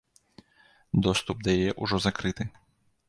Доступ да яе ўжо закрыты.